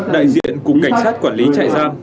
đại diện cục cảnh sát quản lý trại giam